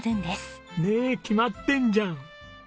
ねえ決まってんじゃん。